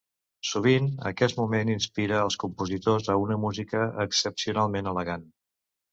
Sovint, aquest moment inspira als compositors a una música excepcionalment elegant.